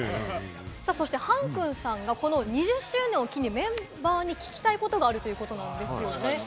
ＨＡＮ−ＫＵＮさんが、この２０周年を機にメンバーに聞きたいことがあるということなんですよね。